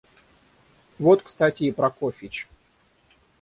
Вот кстати и Прокофьич.